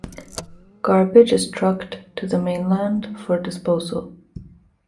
Garbage is trucked to the mainland for disposal.